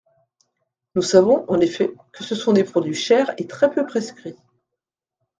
Nous savons, en effet, que ce sont des produits chers et très peu prescrits.